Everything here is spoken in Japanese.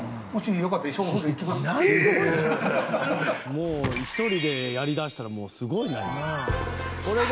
もう１人でやりだしたらすごいな。